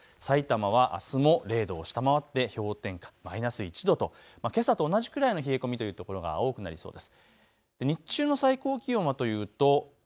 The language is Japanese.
さいたまはあすも０度を下回って氷点下、マイナス１度と、けさと同じくらいの冷え込みという所が多くなりそうです。